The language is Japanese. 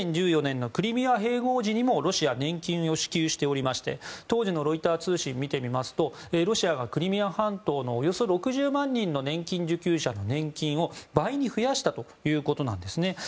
２０１４年のクリミア併合時にもロシア年金を支給しておりまして当時のロイター通信を見てみますとロシアがクリミア半島のおよそ６０万人の年金受給者の年金を倍に増やしたということなんです。